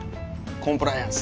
コンプライアンス！